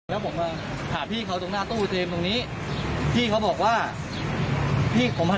แล้วผมมาหาพี่เขาตรงหน้าตู้เตรียมตรงนี้พี่เขาบอกว่าพี่ผมอ่ะ